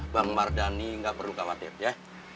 bang mardhani nggak perlu khawatir ya